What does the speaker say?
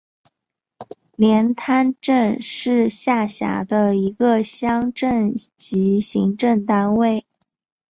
连滩镇是下辖的一个乡镇级行政单位。